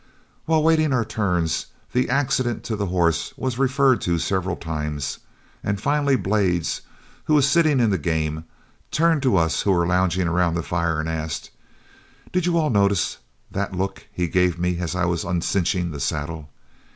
While waiting our turns, the accident to the horse was referred to several times, and finally Blades, who was sitting in the game, turned to us who were lounging around the fire, and asked, "Did you all notice that look he gave me as I was uncinching the saddle?